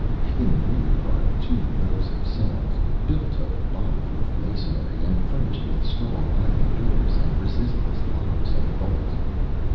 In the rear are two rows of cells, built of bomb proof masonry and furnished with strong iron doors and resistless locks and bolts.